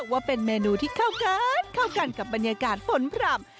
ว่าเป็นเมนูที่เข้ากันเข้ากันกับบรรยากาศฝนพร่ำ